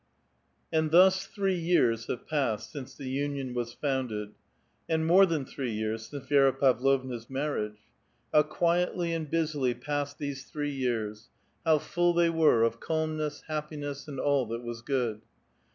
And thus three years have passed since the union was ^oiincied, and more than three vears since Vi^ra Pavlovna's Unarriage. How quietly and busily passed these three years, l:iow full the}' were of calmness, happiness, and all that was good!